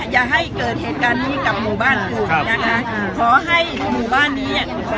อย่าให้เกิดเหตุการณ์นี้กับหมู่บ้านคุณนะคะขอให้หมู่บ้านนี้เนี่ย